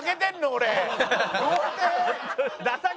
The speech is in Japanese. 俺。